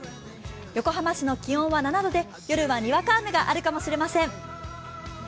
横浜市の気温は７度、夜はにわか雨があるかもしれません。